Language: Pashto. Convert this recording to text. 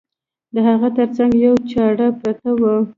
د هغه تر څنګ یوه چاړه پرته وه.